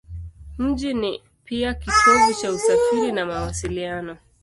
Mji ni pia kitovu cha usafiri na mawasiliano.